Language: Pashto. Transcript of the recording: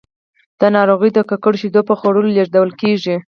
دا ناروغي د ککړو شیدو په خوړلو لیږدول کېږي.